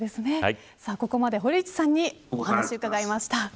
ここまで堀内さんにお話を伺いました。